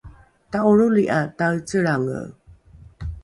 ta’olroli ’a taecelrange